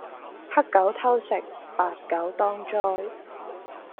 黑狗偷食，白狗當災